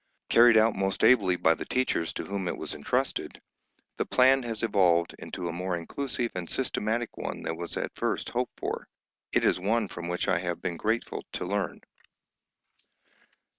Carried out most ably by the teachers to whom it was entrusted, the plan has evolved into a more inclusive and systematic one than was at first hoped for; it is one from which I have been grateful to learn.